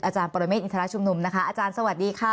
ปรเมฆอินทรชุมนุมนะคะอาจารย์สวัสดีค่ะ